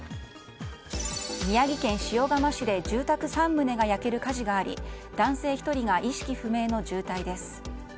宮城県塩釜市で住宅３棟が焼ける火事があり男性１人が意識不明の重体です。